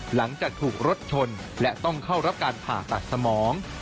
หลังจากถูกรถชนและต้องเข้ารับการผ่าตัดสมอง